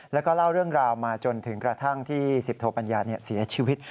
แล้วก็เล่าเรื่องราวมาจนถึงกระทั่งที่สิบโทปัญญาเสียชีวิต